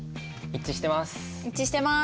一致してます。